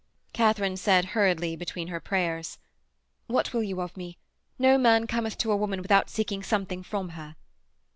Katharine said hurriedly, between her prayers: 'What will you of me? No man cometh to a woman without seeking something from her.'